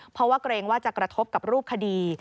เพราะว่าเกรงว่าจะกระทบกับรูปคดี